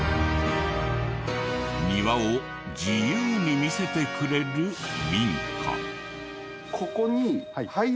庭を自由に見せてくれる民家。